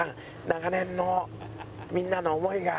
長年のみんなの思いが！